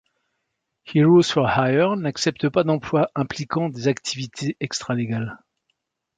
Heroes for Hire n'accepte pas d'emplois impliquant des activités extralégales.